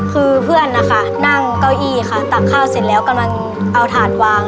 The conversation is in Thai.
คือเพื่อนนะคะนั่งเก้าอี้ค่ะตักข้าวเสร็จแล้วกำลังเอาถ่านวาง